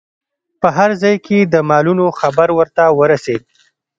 په هر ځای کې د مالونو خبر ورته ورسید.